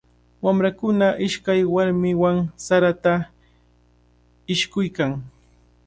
Wamrakuna ishkay warmiwan sarata ishkuykan.